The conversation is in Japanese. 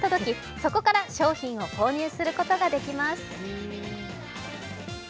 そこから商品を購入することができます。